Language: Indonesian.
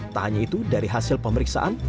tak hanya itu dari hasil pemeriksaan